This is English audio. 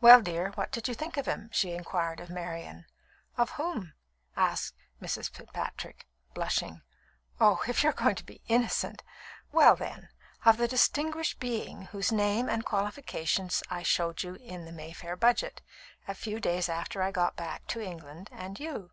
"Well, dear, what did you think of him?" she inquired of Marian. "Of whom?" asked Mrs. Fitzpatrick, blushing. "Oh, if you are going to be innocent! Well, then, of the distinguished being whose name and qualifications I showed you in the Mayfair Budget a few days after I got back to England and you.